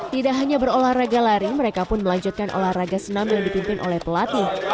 tidak hanya berolah raga lari mereka pun melanjutkan olah raga senam yang dipimpin oleh pelatih